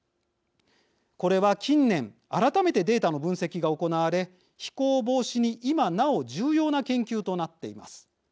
これは近年、改めてデータの分析が行われ非行防止に今なお重要な研究となっています。